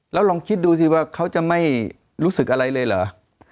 แล้วลองคิดดูสิว่าเขาจะไม่รู้สึกอะไรเลยเหรอ